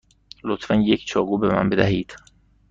لطفا یک چاقو به من بدهید.